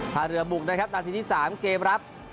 ท่าเรือบุกนะครับนาทีที่๓เกมรับ